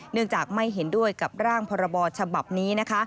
เนื่องจากไม่เห็นด้วยกับร่างพรบฉบับนี้นะคะ